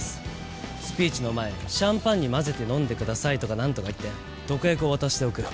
「スピーチの前にシャンパンに混ぜて飲んでください」とかなんとか言って毒薬を渡しておく。